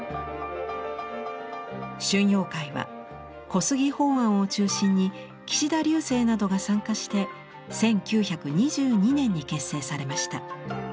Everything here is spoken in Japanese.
春陽会は小杉放菴を中心に岸田劉生などが参加して１９２２年に結成されました。